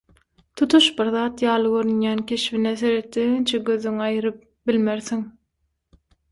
tutuş bir zat ýaly görünýän keşbine seretdigiňçe gözüňi aýryp bilmersiň